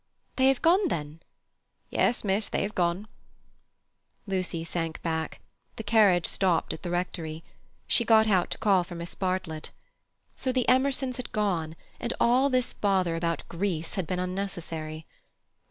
"They have gone, then?" "Yes, miss, they have gone." Lucy sank back. The carriage stopped at the Rectory. She got out to call for Miss Bartlett. So the Emersons had gone, and all this bother about Greece had been unnecessary.